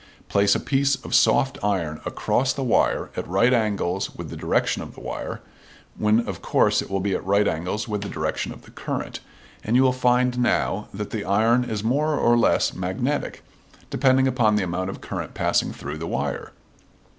Place a piece of soft iron across the wire at right angles with the direction of the wire, when of course it will be at right angles with the direction of the current, and you will find now that the iron is more or less magnetic, depending upon the amount of current passing through the wire.